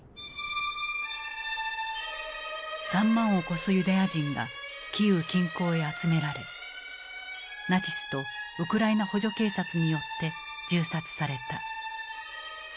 ３万を超すユダヤ人がキーウ近郊へ集められナチスとウクライナ補助警察によって銃殺された。